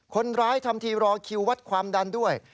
ทำทีรอคิววัดความดันด้วย